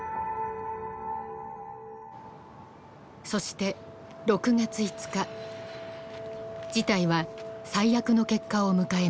そして事態は最悪の結果を迎えます。